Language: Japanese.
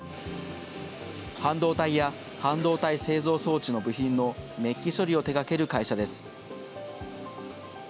半導体や半導体製造装置の部品のめっき処理を手がける会社です。